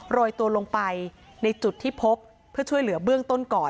โรยตัวลงไปในจุดที่พบเพื่อช่วยเหลือเบื้องต้นก่อน